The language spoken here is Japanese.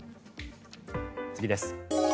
次です。